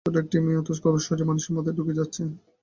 ছোট্ট একটি মেয়ে, অথচ কত সহজে মানুষের মাথায় ঢুকে যাচ্ছে।